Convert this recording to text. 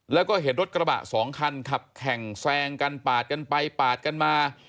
แล้วก็เห็นรถกระบะสองคันขับแข่งแซงกันปาดกันไปปาดกันมา